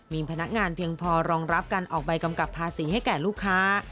มีพนักงานเพียงพอรองรับการออกใบกำกับภาษีให้แก่ลูกค้า